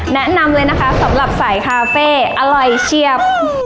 แนะนำเลยนะคะสำหรับสายคาเฟ่อร่อยเชียบ